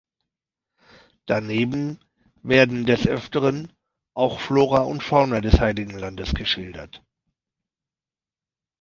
Daneben werden des Öfteren auch Flora und Fauna des Heiligen Landes geschildert.